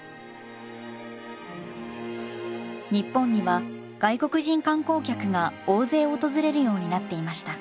日本には外国人観光客が大勢訪れるようになっていました。